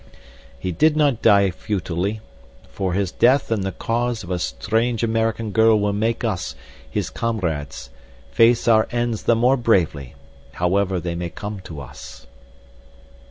"He did not die futilely, for his death in the cause of a strange American girl will make us, his comrades, face our ends the more bravely, however they may come to us."